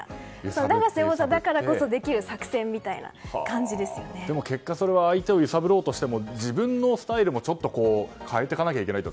永瀬王座だからこそできる作戦みたいな結果、それは相手を揺さぶろうとしても自分のスタイルもちょっと変えていかないといけないと。